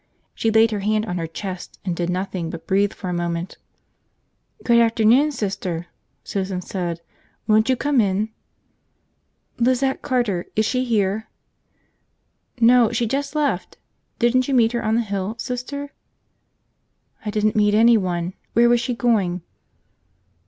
She laid her hand on her chest and did nothing but breathe for a moment. "Good afternoon, Sister," Susan said. "Won't you come in?" "Lizette Carter – is she here?" "No, she just left. Didn't you meet her on the hill, Sister?" "I didn't meet anyone. Where was she going?"